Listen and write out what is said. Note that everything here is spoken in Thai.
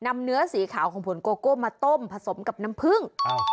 มาต้มผสมกับน้ำพื้ง